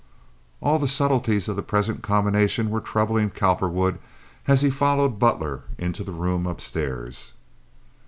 All the subtleties of the present combination were troubling Cowperwood as he followed Butler into the room upstairs.